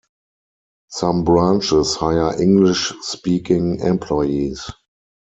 Some branches hire English-speaking employees.